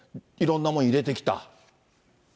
いろんなもの入れてきた。